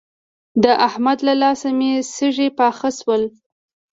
د احمد له لاسه مې سږي پاخه شول.